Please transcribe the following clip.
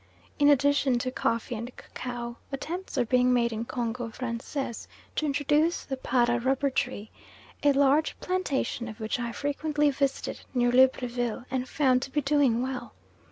In addition to coffee and cacao attempts are being made in Congo Francais to introduce the Para rubber tree, a large plantation of which I frequently visited near Libreville, and found to be doing well.